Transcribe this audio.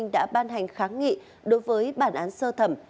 đã ban hành kháng nghị đối với bản án sơ thẩm